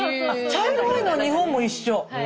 茶色多いの日本も一緒。